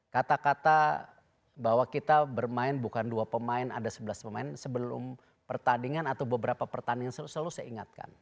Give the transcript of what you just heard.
kata kata bahwa kita bermain bukan dua pemain ada sebelas pemain sebelum pertandingan atau beberapa pertandingan selalu saya ingatkan